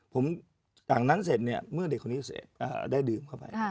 ผมต่างนั้นเซ็กเมื่อเด็กคนนี้ดื่มเข้าไป